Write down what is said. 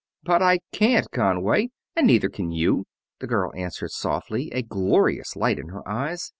"But I can't, Conway, and neither can you," the girl answered softly, a glorious light in her eyes.